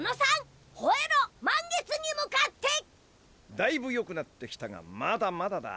だいぶよくなってきたがまだまだだ。